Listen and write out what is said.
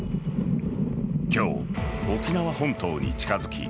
今日、沖縄本島に近づき